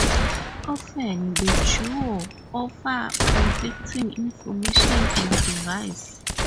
Often, the duo offer conflicting information and advice.